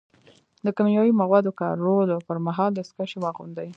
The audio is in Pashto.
د کیمیاوي موادو کارولو پر مهال دستکشې واغوندئ.